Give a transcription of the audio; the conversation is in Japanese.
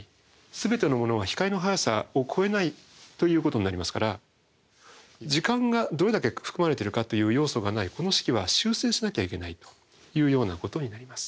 全てのものが光の速さを超えないということになりますから時間がどれだけ含まれてるかという要素がないこの式は修正しなきゃいけないというようなことになります。